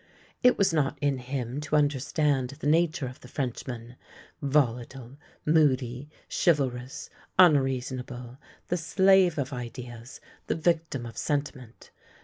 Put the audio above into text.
It was not in him to understand the nature of the Frenchman, volatile, moody, chivalrous, unreasonable, the slave of ideas, the victim of sentiment.